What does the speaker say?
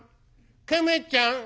ケメちゃん」。